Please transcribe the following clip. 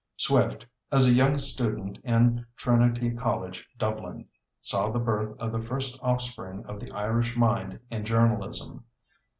Swift, as a young student in Trinity College, Dublin, saw the birth of the first offspring of the Irish mind in journalism.